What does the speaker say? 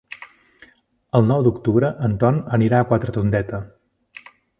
El nou d'octubre en Ton anirà a Quatretondeta.